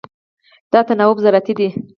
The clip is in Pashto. دا تناوب زراعتي دی.